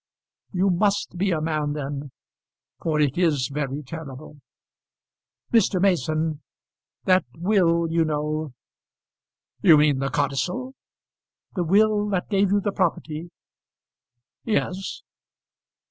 "You must be a man then, for it is very terrible. Mr. Mason, that will, you know " "You mean the codicil?" "The will that gave you the property " "Yes."